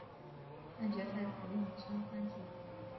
半决赛采用三番棋。